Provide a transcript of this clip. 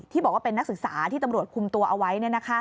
บอกว่าเป็นนักศึกษาที่ตำรวจคุมตัวเอาไว้